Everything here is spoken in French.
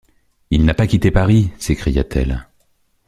Il n’a pas quitté Paris! s’écria-t-elle.